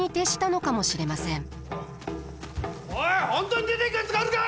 おい本当に出ていくやつがあるか！